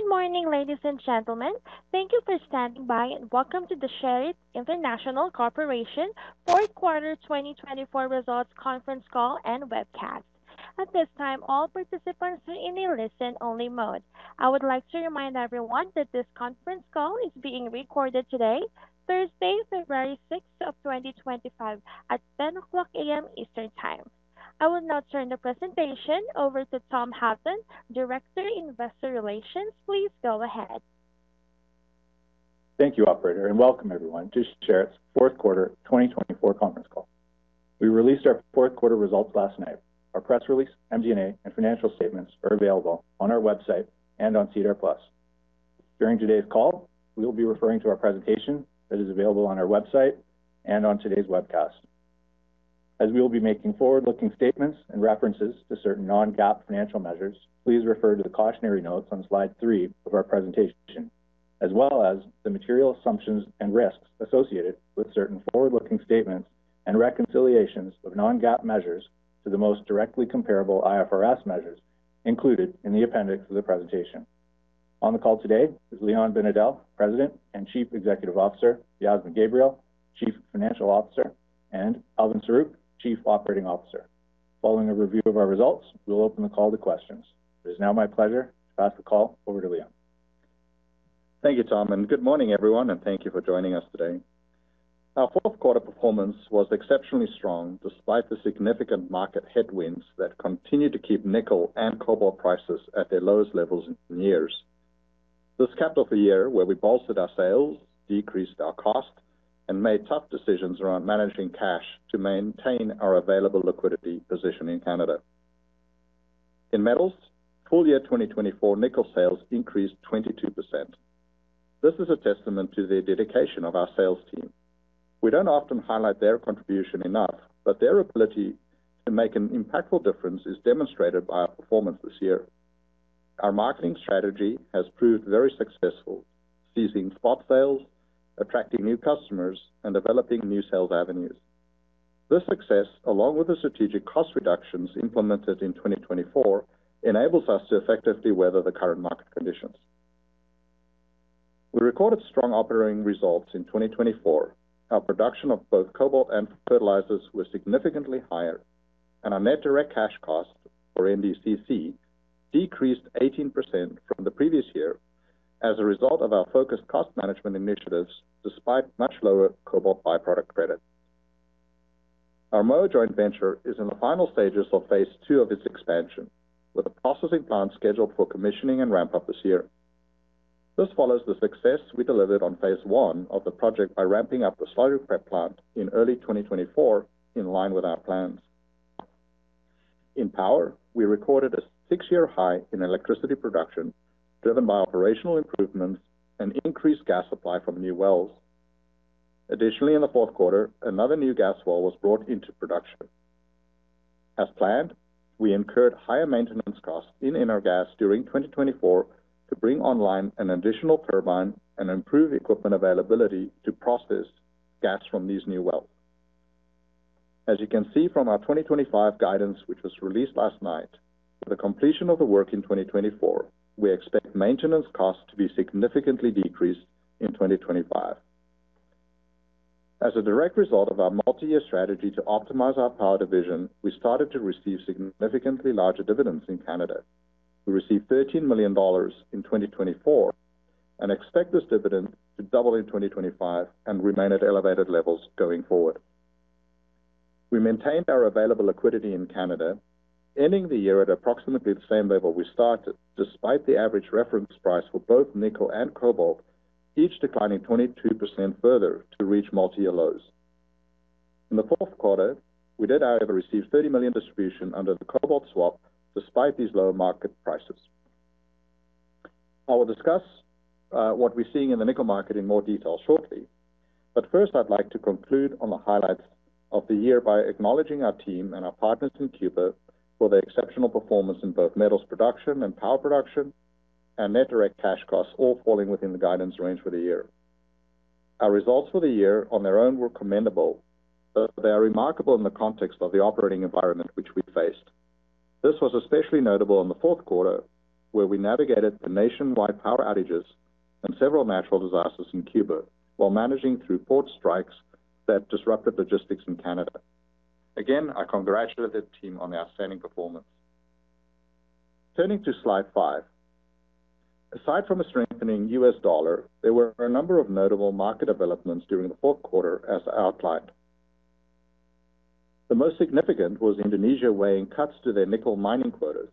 Good morning, ladies and gentlemen. Thank you for standing by and welcome to the Sherritt International Corporation Fourth Quarter 2024 Results Conference Call and Webcast. At this time, all participants are in a listen-only mode. I would like to remind everyone that this conference call is being recorded today, Thursday, February 6th of 2025, at 10:00 A.M. Eastern Time. I will now turn the presentation over to Tom Halton, Director, Investor Relations. Please go ahead. Thank you, Operator, and welcome everyone to Sherritt's Fourth Quarter 2024 Conference Call. We released our Fourth Quarter Results last night. Our press release, MD&A, and financial statements are available on our website and on Cedar Plus. During today's call, we will be referring to our presentation that is available on our website and on today's webcast. As we will be making forward-looking statements and references to certain non-GAAP financial measures, please refer to the cautionary notes on slide three of our presentation, as well as the material assumptions and risks associated with certain forward-looking statements and reconciliations of non-GAAP measures to the most directly comparable IFRS measures included in the appendix of the presentation. On the call today is Leon Binedell, President and Chief Executive Officer; Yasmin Gabriel, Chief Financial Officer; and Elvin Saruk, Chief Operating Officer. Following a review of our results, we'll open the call to questions. It is now my pleasure to pass the call over to Leon. Thank you, Tom, and good morning, everyone, and thank you for joining us today. Our fourth quarter performance was exceptionally strong despite the significant market headwinds that continued to keep nickel and cobalt prices at their lowest levels in years. This capped off a year where we bolstered our sales, decreased our cost, and made tough decisions around managing cash to maintain our available liquidity position in Canada. In metals, full year 2024 nickel sales increased 22%. This is a testament to the dedication of our sales team. We do not often highlight their contribution enough, but their ability to make an impactful difference is demonstrated by our performance this year. Our marketing strategy has proved very successful, seizing spot sales, attracting new customers, and developing new sales avenues. This success, along with the strategic cost reductions implemented in 2024, enables us to effectively weather the current market conditions. We recorded strong operating results in 2024. Our production of both cobalt and fertilizers was significantly higher, and our net direct cash cost, or NDCC, decreased 18% from the previous year as a result of our focused cost management initiatives, despite much lower cobalt byproduct credit. Our Moa Joint Venture is in the final stages of phase II of its expansion, with a processing plant scheduled for commissioning and ramp-up this year. This follows the success we delivered on phase I of the project by ramping up the Slurry Prep Plant in early 2024, in line with our plans. In power, we recorded a six-year high in electricity production, driven by operational improvements and increased gas supply from new wells. Additionally, in the fourth quarter, another new gas well was brought into production. As planned, we incurred higher maintenance costs in Energas during 2024 to bring online an additional turbine and improve equipment availability to process gas from these new wells. As you can see from our 2025 guidance, which was released last night, with the completion of the work in 2024, we expect maintenance costs to be significantly decreased in 2025. As a direct result of our multi-year strategy to optimize our power division, we started to receive significantly larger dividends in Canada. We received $13 million in 2024 and expect this dividend to double in 2025 and remain at elevated levels going forward. We maintained our available liquidity in Canada, ending the year at approximately the same level we started, despite the average reference price for both nickel and cobalt each declining 22% further to reach multi-year lows. In the fourth quarter, we did, however, receive $30 million distribution under the cobalt swap, despite these lower market prices. I will discuss what we're seeing in the nickel market in more detail shortly, but first, I'd like to conclude on the highlights of the year by acknowledging our team and our partners in Cuba for their exceptional performance in both metals production and power production and net direct cash costs, all falling within the guidance range for the year. Our results for the year on their own were commendable, but they are remarkable in the context of the operating environment which we faced. This was especially notable in the fourth quarter, where we navigated the nationwide power outages and several natural disasters in Cuba while managing through port strikes that disrupted logistics in Canada. Again, I congratulate the team on their outstanding performance. Turning to slide five, aside from a strengthening US dollar, there were a number of notable market developments during the fourth quarter, as outlined. The most significant was Indonesia weighing cuts to their nickel mining quotas.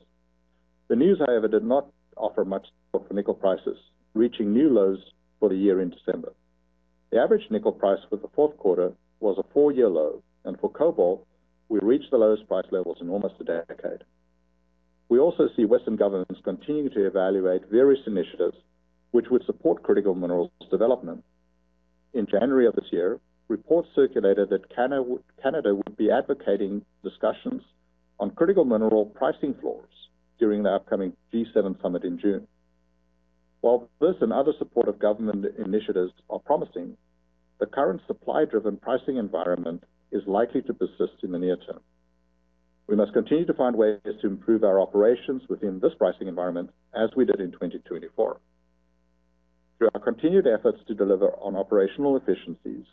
The news, however, did not offer much support for nickel prices, reaching new lows for the year in December. The average nickel price for the fourth quarter was a four-year low, and for cobalt, we reached the lowest price levels in almost a decade. We also see Western governments continuing to evaluate various initiatives which would support critical minerals development. In January of this year, reports circulated that Canada would be advocating discussions on critical mineral pricing floors during the upcoming G7 summit in June. While this and other supportive government initiatives are promising, the current supply-driven pricing environment is likely to persist in the near term. We must continue to find ways to improve our operations within this pricing environment, as we did in 2024. Through our continued efforts to deliver on operational efficiencies,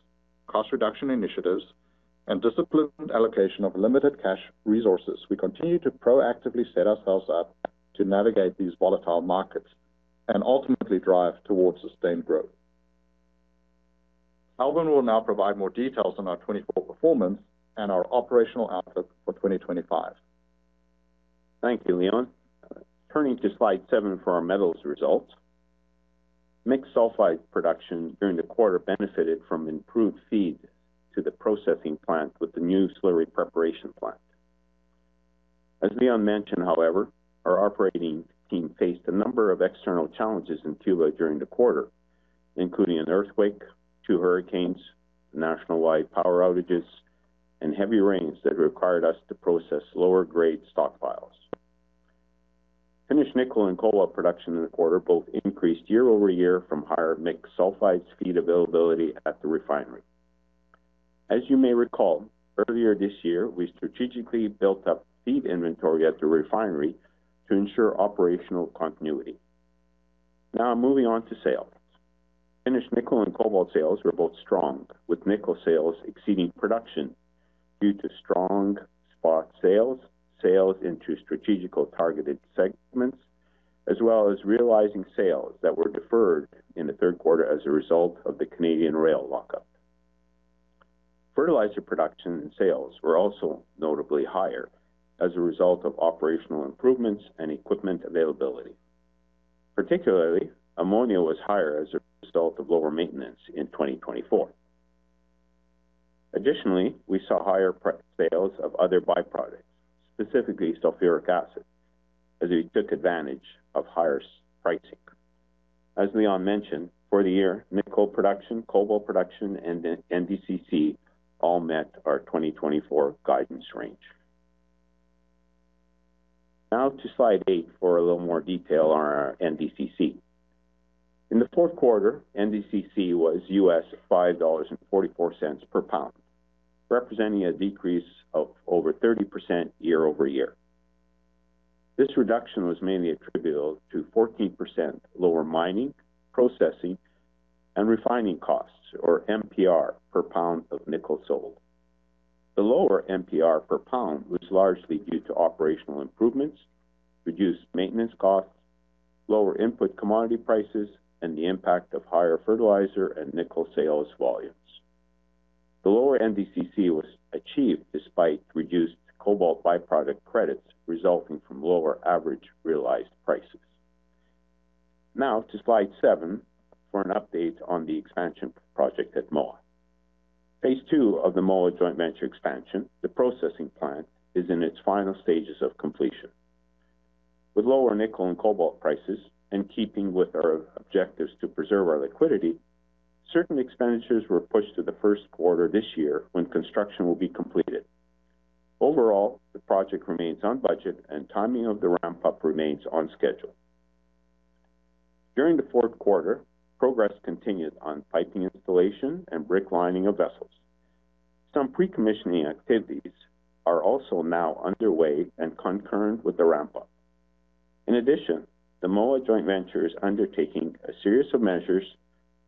cost reduction initiatives, and disciplined allocation of limited cash resources, we continue to proactively set ourselves up to navigate these volatile markets and ultimately drive towards sustained growth. Elvin will now provide more details on our 2024 performance and our operational outlook for 2025. Thank you, Leon. Turning to slide seven for our metals results, mixed sulfide production during the quarter benefited from improved feed to the processing plant with the new Slurry Preparation Plant. As Leon mentioned, however, our operating team faced a number of external challenges in Cuba during the quarter, including an earthquake, two hurricanes, nationwide power outages, and heavy rains that required us to process lower-grade stockpiles. Finished nickel and cobalt production in the quarter both increased year-over-year from higher mixed sulfide feed availability at the refinery. As you may recall, earlier this year, we strategically built up feed inventory at the refinery to ensure operational continuity. Now, moving on to sales, finished nickel and cobalt sales were both strong, with nickel sales exceeding production due to strong spot sales, sales into strategically targeted segments, as well as realizing sales that were deferred in the third quarter as a result of the Canadian rail lockup. Fertilizer production and sales were also notably higher as a result of operational improvements and equipment availability. Particularly, ammonia was higher as a result of lower maintenance in 2024. Additionally, we saw higher sales of other byproducts, specifically sulfuric acid, as we took advantage of higher pricing. As Leon mentioned, for the year, nickel production, cobalt production, and NDCC all met our 2024 guidance range. Now to slide eight for a little more detail on our NDCC. In the fourth quarter, NDCC was $5.44 per pound, representing a decrease of over 30% year-over-year. This reduction was mainly attributable to 14% lower mining, processing, and refining costs, or MPR, per pound of nickel sold. The lower MPR per pound was largely due to operational improvements, reduced maintenance costs, lower input commodity prices, and the impact of higher fertilizer and nickel sales volumes. The lower NDCC was achieved despite reduced cobalt byproduct credits resulting from lower average realized prices. Now to slide seven for an update on the expansion project at Moa. phase II of the Moa Joint Venture expansion, the processing plant, is in its final stages of completion. With lower nickel and cobalt prices and keeping with our objectives to preserve our liquidity, certain expenditures were pushed to the first quarter this year when construction will be completed. Overall, the project remains on budget, and timing of the ramp-up remains on schedule. During the fourth quarter, progress continued on piping installation and brick lining of vessels. Some pre-commissioning activities are also now underway and concurrent with the ramp-up. In addition, the Moa Joint Venture is undertaking a series of measures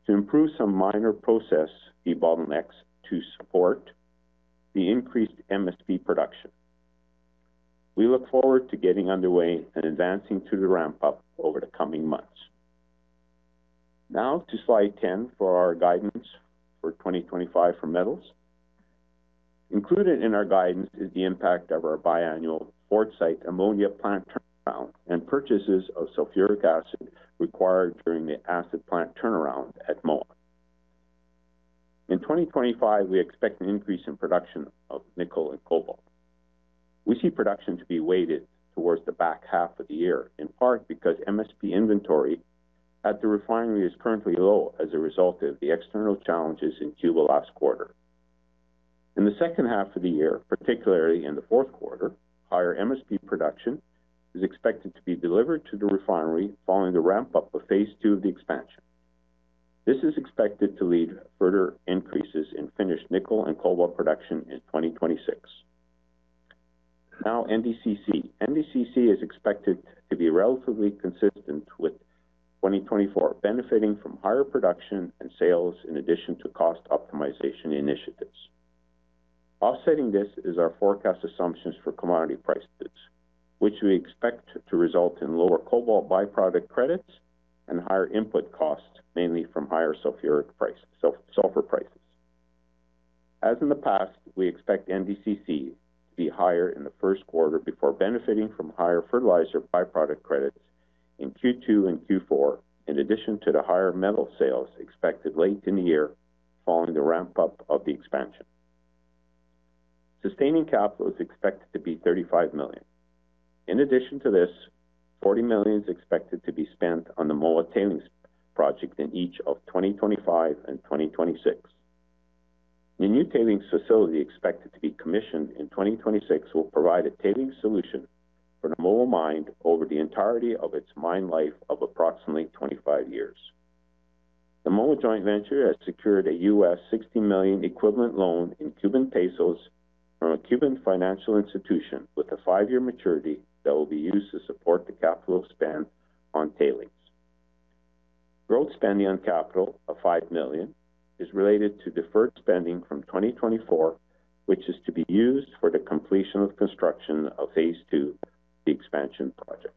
to improve some minor process bottlenecks to support the increased MSP production. We look forward to getting underway and advancing to the ramp-up over the coming months. Now to slide 10 for our guidance for 2025 for metals. Included in our guidance is the impact of our biannual Fort Saskatchewan ammonia plant turnaround and purchases of sulfuric acid required during the acid plant turnaround at Moa. In 2025, we expect an increase in production of nickel and cobalt. We see production to be weighted towards the back half of the year, in part because MSP inventory at the refinery is currently low as a result of the external challenges in Cuba last quarter. In the second half of the year, particularly in the fourth quarter, higher MSP production is expected to be delivered to the refinery following the ramp-up of phase two of the expansion. This is expected to lead to further increases in finished nickel and cobalt production in 2026. Now, NDCC. NDCC is expected to be relatively consistent with 2024, benefiting from higher production and sales in addition to cost optimization initiatives. Offsetting this is our forecast assumptions for commodity prices, which we expect to result in lower cobalt byproduct credits and higher input costs, mainly from higher sulfur prices. As in the past, we expect NDCC to be higher in the first quarter before benefiting from higher fertilizer byproduct credits in Q2 and Q4, in addition to the higher metal sales expected late in the year following the ramp-up of the expansion. Sustaining capital is expected to be 35 million. In addition to this, 40 million is expected to be spent on the Moa tailings project in each of 2025 and 2026. The new tailings facility expected to be commissioned in 2026 will provide a tailings solution for the Moa mine over the entirety of its mine life of approximately 25 years. The Moa Joint Venture has secured a $60 million equivalent loan in Cuban pesos from a Cuban financial institution with a five-year maturity that will be used to support the capital expenditure on tailings. Growth spending on capital of $5 million is related to deferred spending from 2024, which is to be used for the completion of construction of phase II of the expansion project.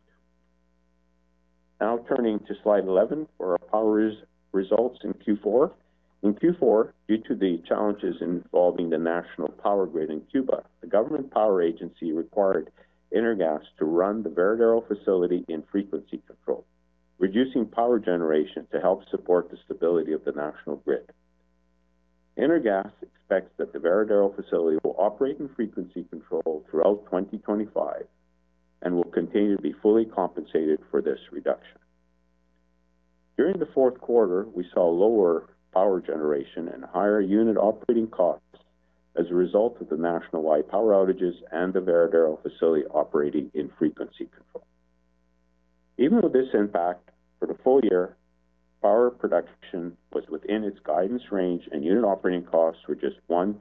Now turning to slide 11 for our power results in Q4. In Q4, due to the challenges involving the national power grid in Cuba, the government power agency required Energas to run the Varadero facility in frequency control, reducing power generation to help support the stability of the national grid. Energas expects that the Varadero facility will operate in frequency control throughout 2025 and will continue to be fully compensated for this reduction. During the fourth quarter, we saw lower power generation and higher unit operating costs as a result of the national-wide power outages and the Varadero facility operating in frequency control. Even with this impact for the full year, power production was within its guidance range, and unit operating costs were just 1%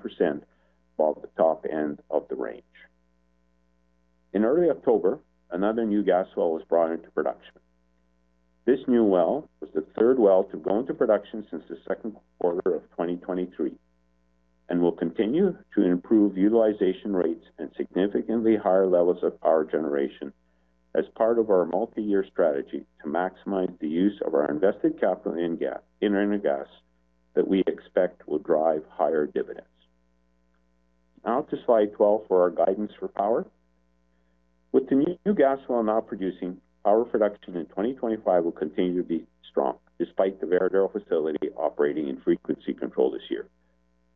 above the top end of the range. In early October, another new gas well was brought into production. This new well was the third well to go into production since the second quarter of 2023 and will continue to improve utilization rates and significantly higher levels of power generation as part of our multi-year strategy to maximize the use of our invested capital in Energas that we expect will drive higher dividends. Now to slide 12 for our guidance for power. With the new gas well now producing, power production in 2025 will continue to be strong despite the Varadero facility operating in frequency control this year,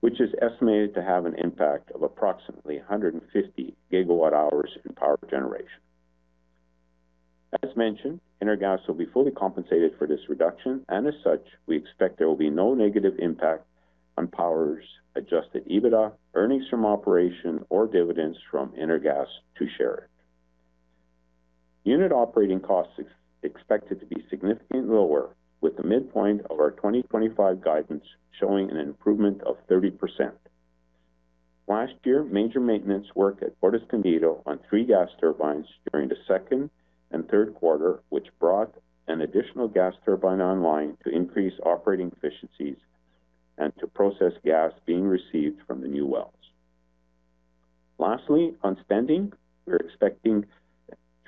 which is estimated to have an impact of approximately 150 GWh in power generation. As mentioned, Energas will be fully compensated for this reduction, and as such, we expect there will be no negative impact on power's adjusted EBITDA, earnings from operation, or dividends from Energas to Sherritt. Unit operating costs are expected to be significantly lower, with the midpoint of our 2025 guidance showing an improvement of 30%. Last year, major maintenance work at Puerto Escondido on three gas turbines during the second and third quarter, which brought an additional gas turbine online to increase operating efficiencies and to process gas being received from the new wells. Lastly, on spending, we're expecting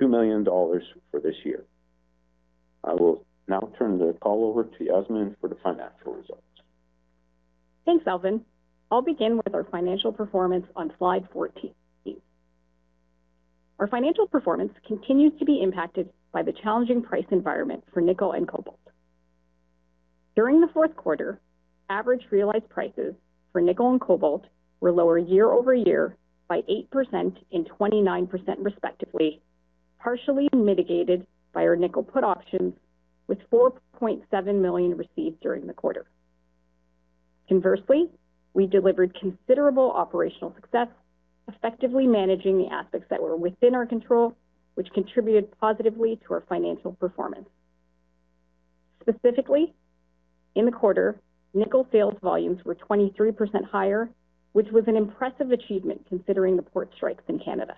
$2 million for this year. I will now turn the call over to Yasmin for the financial results. Thanks, Elvin. I'll begin with our financial performance on slide 14. Our financial performance continues to be impacted by the challenging price environment for nickel and cobalt. During the fourth quarter, average realized prices for nickel and cobalt were lower year-over-year by 8% and 29%, respectively, partially mitigated by our nickel put options, with $4.7 million received during the quarter. Conversely, we delivered considerable operational success, effectively managing the aspects that were within our control, which contributed positively to our financial performance. Specifically, in the quarter, nickel sales volumes were 23% higher, which was an impressive achievement considering the port strikes in Canada.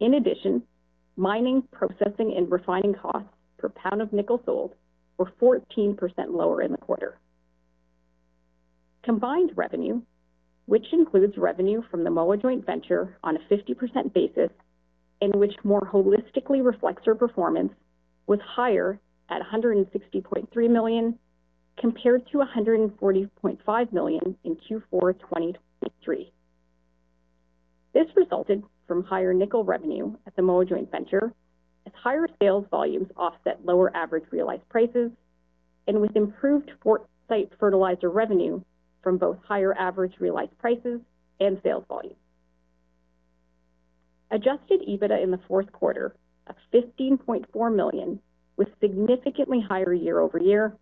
In addition, mining, processing, and refining costs per pound of nickel sold were 14% lower in the quarter. Combined revenue, which includes revenue from the Moa Joint Venture on a 50% basis and which more holistically reflects our performance, was higher at 160.3 million compared to 140.5 million in Q4 2023. This resulted from higher nickel revenue at the Moa Joint Venture, as higher sales volumes offset lower average realized prices, and with improved Fort Saskatchewan fertilizer revenue from both higher average realized prices and sales volume. Adjusted EBITDA in the fourth quarter of 15.4 million was significantly higher year over year,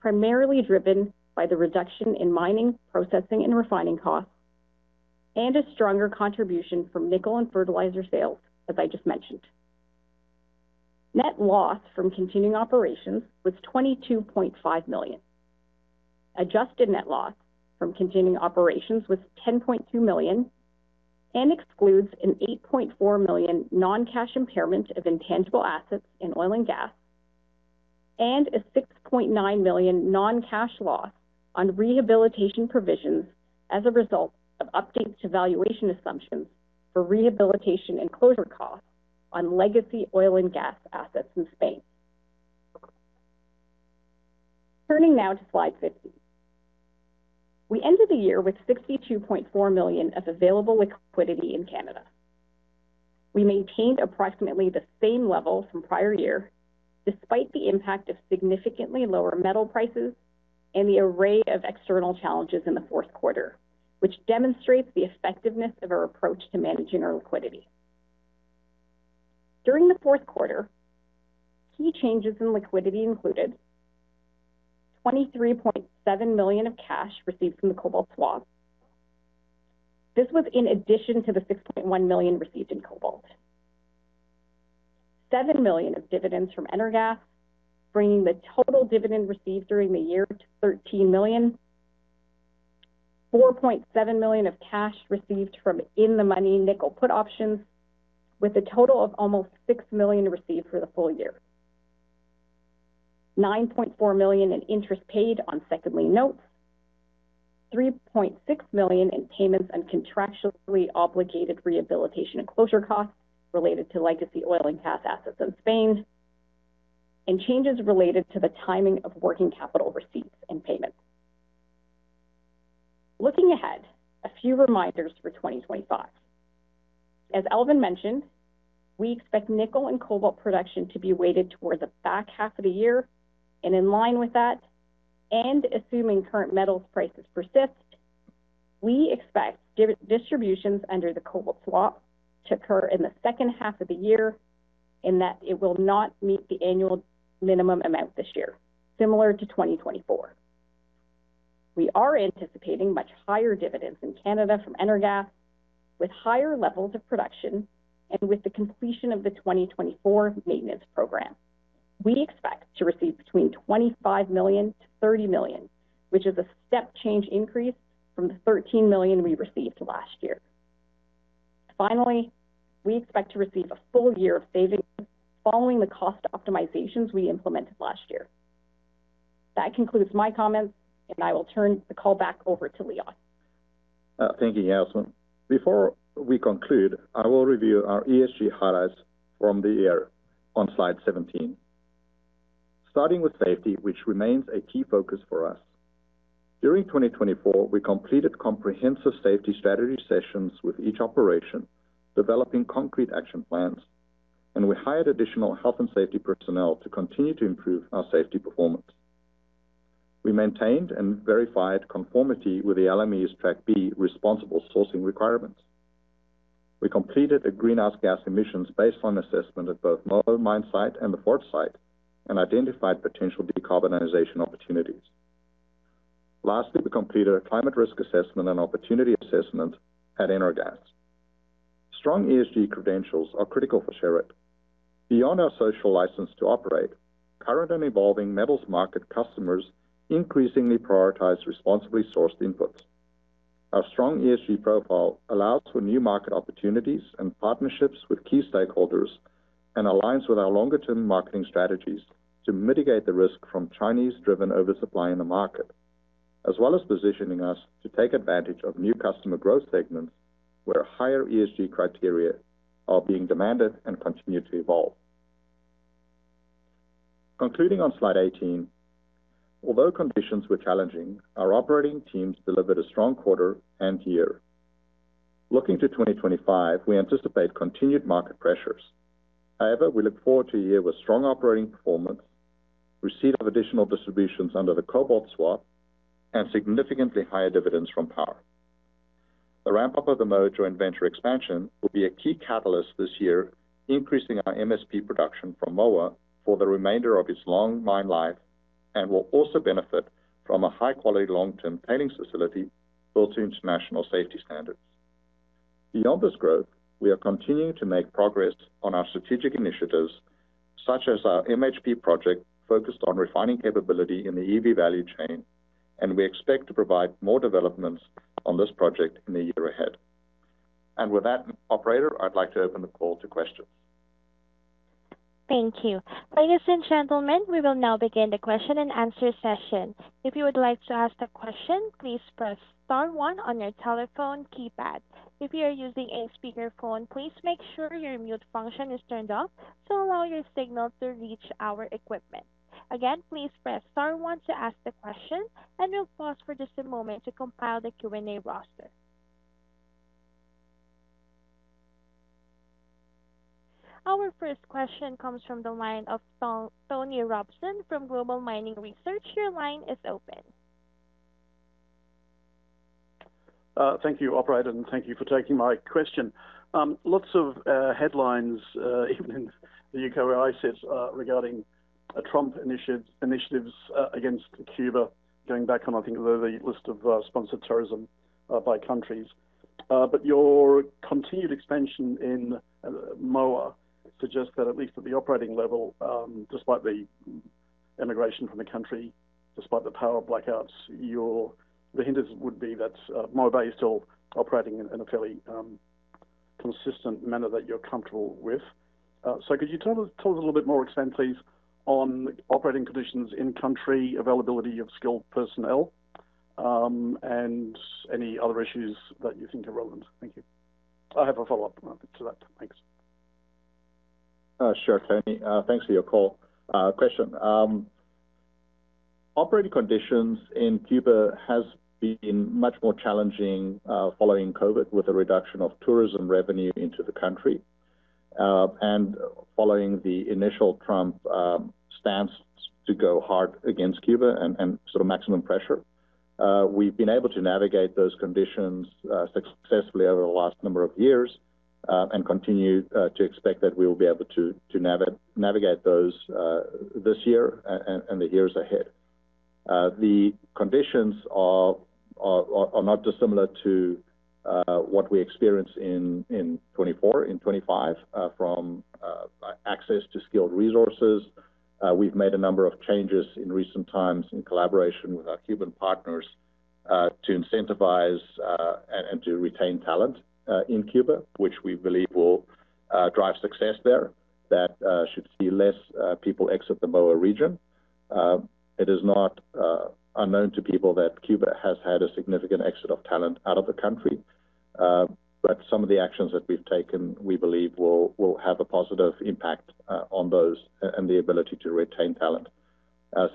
primarily driven by the reduction in mining, processing, and refining costs, and a stronger contribution from nickel and fertilizer sales, as I just mentioned. Net loss from continuing operations was 22.5 million. Adjusted net loss from continuing operations was 10.2 million and excludes an 8.4 million non-cash impairment of intangible assets in oil and gas and a 6.9 million non-cash loss on rehabilitation provisions as a result of updates to valuation assumptions for rehabilitation and closure costs on legacy oil and gas assets in Spain. Turning now to slide 15. We ended the year with 62.4 million of available liquidity in Canada. We maintained approximately the same level from prior year, despite the impact of significantly lower metal prices and the array of external challenges in the fourth quarter, which demonstrates the effectiveness of our approach to managing our liquidity. During the fourth quarter, key changes in liquidity included 23.7 million of cash received from the cobalt swap. This was in addition to the 6.1 million received in cobalt. 7 million of dividends from Energas, bringing the total dividend received during the year to 13 million. 4.7 million of cash received from in-the-money nickel put options, with a total of almost 6 million received for the full year. 9.4 million in interest paid on second-line notes. 3.6 million in payments on contractually obligated rehabilitation and closure costs related to legacy oil and gas assets in Spain, and changes related to the timing of working capital receipts and payments. Looking ahead, a few reminders for 2025. As Elvin mentioned, we expect nickel and cobalt production to be weighted towards the back half of the year. In line with that, and assuming current metals prices persist, we expect distributions under the cobalt swap to occur in the second half of the year in that it will not meet the annual minimum amount this year, similar to 2024. We are anticipating much higher dividends in Canada from Energas, with higher levels of production and with the completion of the 2024 maintenance program. We expect to receive between 25 million-30 million, which is a step change increase from the 13 million we received last year. Finally, we expect to receive a full year of savings following the cost optimizations we implemented last year. That concludes my comments, and I will turn the call back over to Leon. Thank you, Yasmin. Before we conclude, I will review our ESG highlights from the year on slide 17, starting with safety, which remains a key focus for us. During 2024, we completed comprehensive safety strategy sessions with each operation, developing concrete action plans, and we hired additional health and safety personnel to continue to improve our safety performance. We maintained and verified conformity with the LMES Track B responsible sourcing requirements. We completed a greenhouse gas emissions baseline assessment at both Moa mine site and the Fort Saskatchewan site and identified potential decarbonization opportunities. Lastly, we completed a climate risk assessment and opportunity assessment at Energas. Strong ESG credentials are critical for Sherritt. Beyond our social license to operate, current and evolving metals market customers increasingly prioritize responsibly sourced inputs. Our strong ESG profile allows for new market opportunities and partnerships with key stakeholders and aligns with our longer-term marketing strategies to mitigate the risk from Chinese-driven oversupply in the market, as well as positioning us to take advantage of new customer growth segments where higher ESG criteria are being demanded and continue to evolve. Concluding on slide 18, although conditions were challenging, our operating teams delivered a strong quarter and year. Looking to 2025, we anticipate continued market pressures. However, we look forward to a year with strong operating performance, receipt of additional distributions under the cobalt swap, and significantly higher dividends from power. The ramp-up of the Moa Joint Venture expansion will be a key catalyst this year, increasing our MSP production from Moa for the remainder of its long mine life and will also benefit from a high-quality long-term tailings facility built to international safety standards. Beyond this growth, we are continuing to make progress on our strategic initiatives, such as our MHP project focused on refining capability in the EV value chain, and we expect to provide more developments on this project in the year ahead. With that, operator, I'd like to open the call to questions. Thank you. Ladies and gentlemen, we will now begin the question and answer session. If you would like to ask a question, please press star one on your telephone keypad. If you are using a speakerphone, please make sure your mute function is turned off to allow your signal to reach our equipment. Again, please press star one to ask the question, and we'll pause for just a moment to compile the Q&A roster. Our first question comes from the line of Tony Robson from Global Mining Research. Your line is open. Thank you, operator, and thank you for taking my question. Lots of headlines, even in the U.K. where I sit, regarding Trump initiatives against Cuba, going back on, I think, the list of sponsored tourism by countries. Your continued expansion in Moa suggests that, at least at the operating level, despite the emigration from the country, despite the power blackouts, the hindrances would be that Moa is still operating in a fairly consistent manner that you're comfortable with. Could you tell us a little bit more extent, please, on operating conditions in-country, availability of skilled personnel, and any other issues that you think are relevant? Thank you. I have a follow-up to that. Thanks. Sure, Tony. Thanks for your call question. Operating conditions in Cuba have been much more challenging following COVID with a reduction of tourism revenue into the country. Following the initial Trump stance to go hard against Cuba and sort of maximum pressure, we have been able to navigate those conditions successfully over the last number of years and continue to expect that we will be able to navigate those this year and the years ahead. The conditions are not dissimilar to what we experienced in 2024, in 2025, from access to skilled resources. We have made a number of changes in recent times in collaboration with our Cuban partners to incentivize and to retain talent in Cuba, which we believe will drive success there. That should see fewer people exit the Moa region. It is not unknown to people that Cuba has had a significant exit of talent out of the country, but some of the actions that we've taken, we believe, will have a positive impact on those and the ability to retain talent.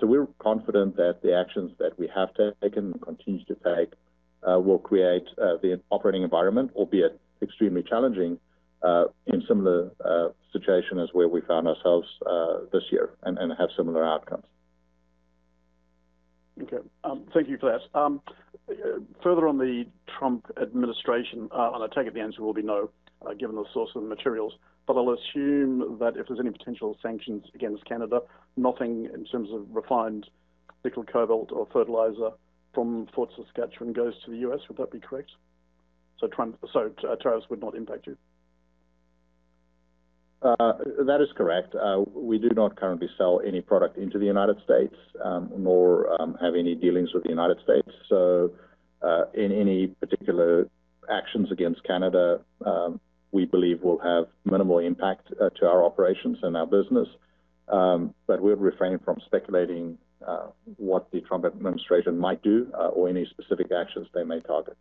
We are confident that the actions that we have taken and continue to take will create the operating environment, albeit extremely challenging, in similar situations where we found ourselves this year and have similar outcomes. Okay. Thank you for that. Further on the Trump administration, and I take it the answer will be no given the source of the materials, but I'll assume that if there's any potential sanctions against Canada, nothing in terms of refined nickel cobalt or fertilizer from Fort Saskatchewan goes to the U.S., would that be correct? Tariffs would not impact you? That is correct. We do not currently sell any product into the U.S. nor have any dealings with the U.S. Any particular actions against Canada, we believe, will have minimal impact to our operations and our business. We are refraining from speculating what the Trump administration might do or any specific actions they may target.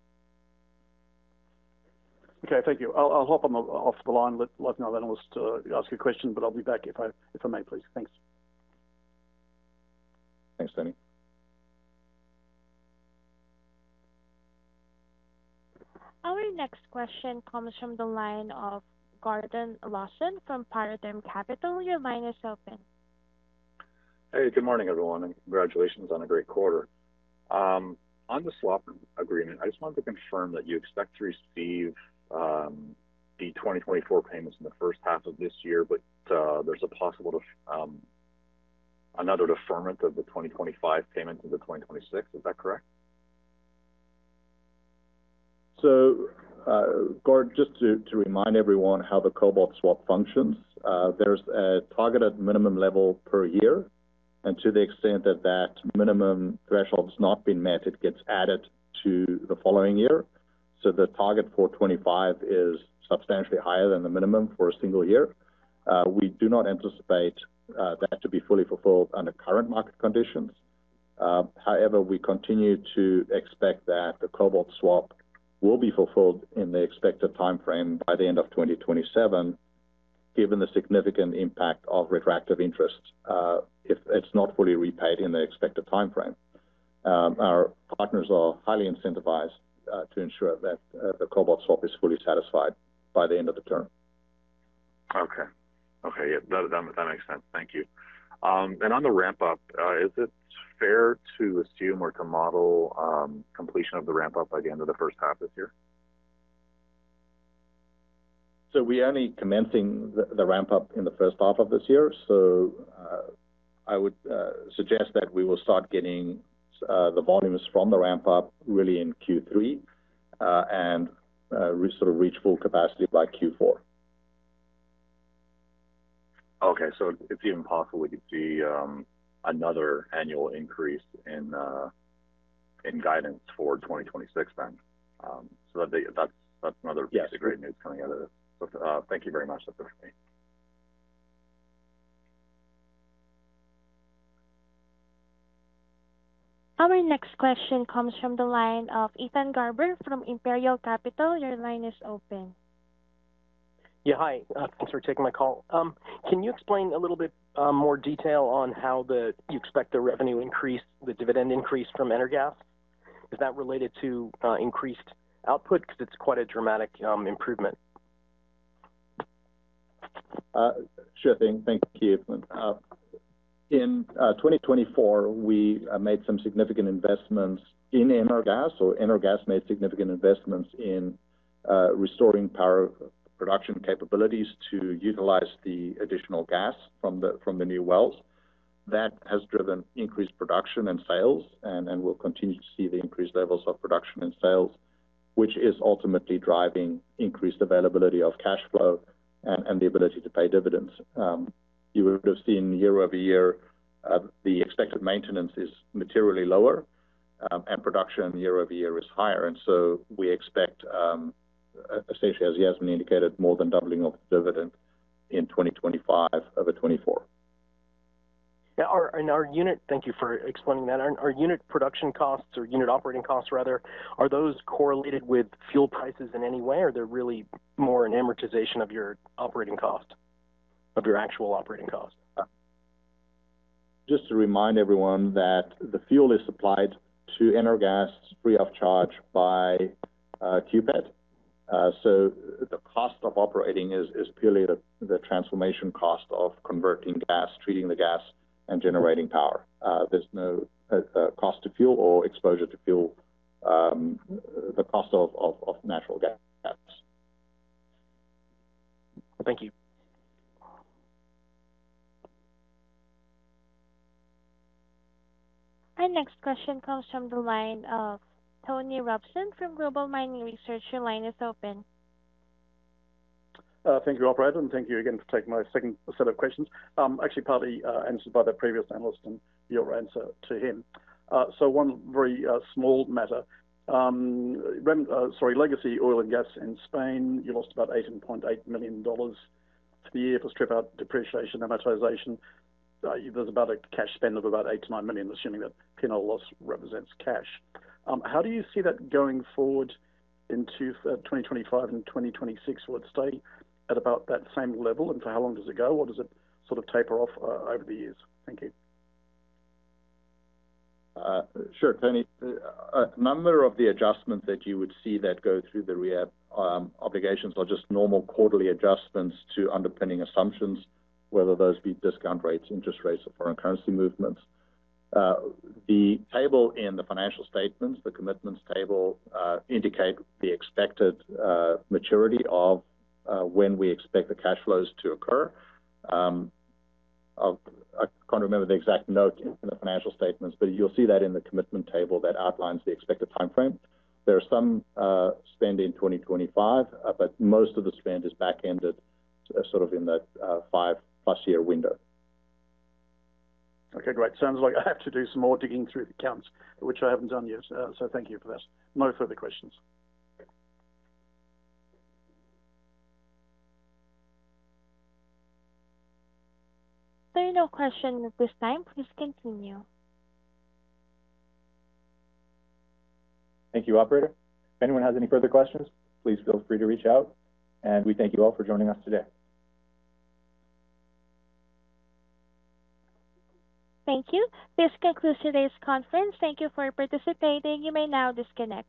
Okay. Thank you. I'll hop on off the line and let an analyst ask a question, but I'll be back if I may, please. Thanks. Thanks, Tony. Our next question comes from the line of Gordon Lawson from Paradigm Capital. Your line is open. Hey, good morning, everyone, and congratulations on a great quarter. On the swap agreement, I just wanted to confirm that you expect to receive the 2024 payments in the first half of this year, but there is a possible another deferment of the 2025 payments in the 2026. Is that correct? Gord, just to remind everyone how the cobalt swap functions, there's a targeted minimum level per year. To the extent that that minimum threshold has not been met, it gets added to the following year. The target for 2025 is substantially higher than the minimum for a single year. We do not anticipate that to be fully fulfilled under current market conditions. However, we continue to expect that the cobalt swap will be fulfilled in the expected timeframe by the end of 2027, given the significant impact of retracted interest if it's not fully repaid in the expected timeframe. Our partners are highly incentivized to ensure that the cobalt swap is fully satisfied by the end of the term. Okay. Okay. Yeah, that makes sense. Thank you. On the ramp-up, is it fair to assume or to model completion of the ramp-up by the end of the first half of this year? We are only commencing the ramp-up in the first half of this year. I would suggest that we will start getting the volumes from the ramp-up really in Q3 and sort of reach full capacity by Q4. Okay. It is even possible we could see another annual increase in guidance for 2026 then. That is another piece of great news coming out of this. Thank you very much. That is it for me. Our next question comes from the line of Ethan Garber from Imperial Capital. Your line is open. Yeah. Hi. Thanks for taking my call. Can you explain a little bit more detail on how you expect the revenue increase, the dividend increase from Energas? Is that related to increased output because it's quite a dramatic improvement? Sure thing. Thank you. In 2024, we made some significant investments in Energas, or Energas made significant investments in restoring power production capabilities to utilize the additional gas from the new wells. That has driven increased production and sales and will continue to see the increased levels of production and sales, which is ultimately driving increased availability of cash flow and the ability to pay dividends. You would have seen year over year, the expected maintenance is materially lower and production year over year is higher. We expect, essentially, as Yasmin indicated, more than doubling of the dividend in 2025 over 2024. Thank you for explaining that. Our unit production costs or unit operating costs, rather, are those correlated with fuel prices in any way, or are they really more an amortization of your operating cost, of your actual operating cost? Just to remind everyone that the fuel is supplied to Energas free of charge by QPET. The cost of operating is purely the transformation cost of converting gas, treating the gas, and generating power. There is no cost to fuel or exposure to fuel, the cost of natural gas. Thank you. Our next question comes from the line of Tony Robson from Global Mining Research. Your line is open. Thank you, operator, and thank you again for taking my second set of questions. Actually, partly answered by the previous analyst and your answer to him. One very small matter. Sorry, legacy oil and gas in Spain, you lost about $18.8 million to the year for strip-out depreciation amortization. There is about a cash spend of about $8 million-$9 million, assuming that penal loss represents cash. How do you see that going forward into 2025 and 2026? Will it stay at about that same level? For how long does it go? Does it sort of taper off over the years? Thank you. Sure, Tony. A number of the adjustments that you would see that go through the rehab obligations are just normal quarterly adjustments to underpinning assumptions, whether those be discount rates, interest rates, or foreign currency movements. The table in the financial statements, the commitments table, indicate the expected maturity of when we expect the cash flows to occur. I can't remember the exact note in the financial statements, but you'll see that in the commitment table that outlines the expected timeframe. There is some spend in 2025, but most of the spend is back-ended sort of in that five-plus-year window. Okay. Great. Sounds like I have to do some more digging through the accounts, which I haven't done yet. Thank you for that. No further questions. There are no questions at this time. Please continue. Thank you, operator. If anyone has any further questions, please feel free to reach out. We thank you all for joining us today. Thank you. This concludes today's conference. Thank you for participating. You may now disconnect.